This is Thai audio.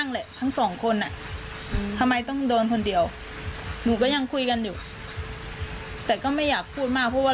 ใช่แต่ประวัติเด็กคนนี้ก็คือท้าต่อยท้าอะไรไปทั่วหมด